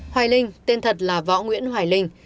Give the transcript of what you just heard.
hoài linh tên thật là võ nguyễn hoài linh